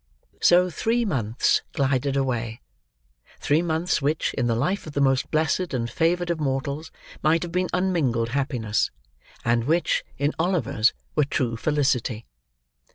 So three months glided away; three months which, in the life of the most blessed and favoured of mortals, might have been unmingled happiness, and which, in Oliver's were true felicity.